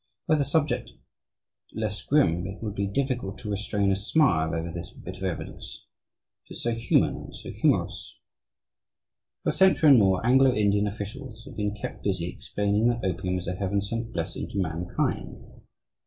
Were the subject less grim, it would be difficult to restrain a smile over this bit of evidence it is so human, and so humorous. For a century and more, Anglo Indian officials have been kept busy explaining that opium is a heaven sent blessing to mankind.